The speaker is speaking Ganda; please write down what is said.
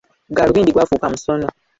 Ggaalubindi gwafuuka musono.